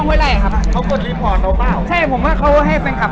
เขาเป็นคนที่ไม่ค่อยน่านำถือครับ